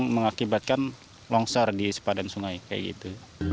mengakibatkan longsor di sepadan sungai kayak gitu